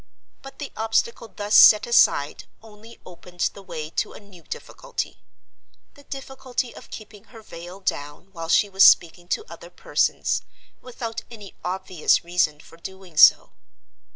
But the obstacle thus set aside only opened the way to a new difficulty—the difficulty of keeping her veil down while she was speaking to other persons, without any obvious reason for doing so.